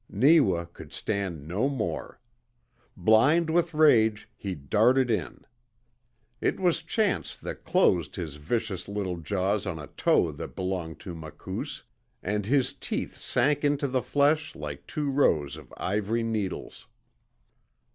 Neewa could stand no more. Blind with rage, he darted in. It was chance that closed his vicious little jaws on a toe that belonged to Makoos, and his teeth sank into the flesh like two rows of ivory needles.